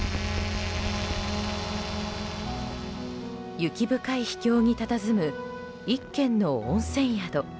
雪深い秘境にたたずむ１軒の温泉宿。